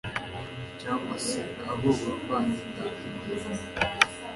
cyangwa se abo bava inda imwe.